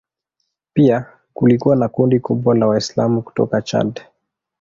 Pia kulikuwa na kundi kubwa la Waislamu kutoka Chad.